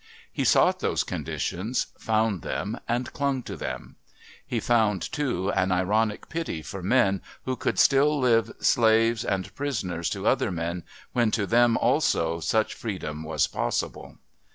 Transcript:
He sought those conditions, found them and clung to them; he found, too, an ironic pity for men who could still live slaves and prisoners to other men when to them also such freedom was possible.